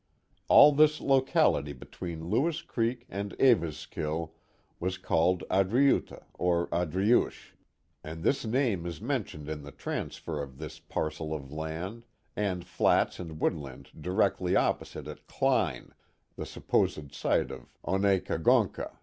All this locality between Lewis Creek and Eva's kill was called Adirutha or Adriuche, and this name is mentioned in the 35^ The Mohawk Valley ^^H transfer of this parcel of land, and flats and woodland direcdy opposite at Kline, the supposed site of On e ka gonc ka.